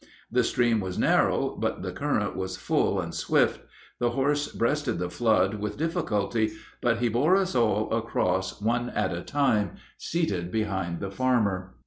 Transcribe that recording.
The stream was narrow, but the current was full and swift. The horse breasted the flood with difficulty, but he bore us all across one at a time, seated behind the farmer.